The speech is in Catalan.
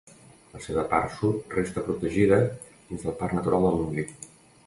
La seva part sud resta protegida dins del Parc Natural del Montgrí.